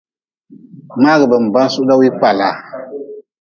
Mngagʼbe-n ba suhdgi wii kpala.